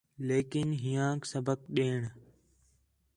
لیکن ہیانک سبق ݙیݨ